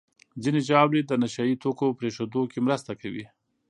ځینې ژاولې د نشهیي توکو پرېښودو کې مرسته کوي.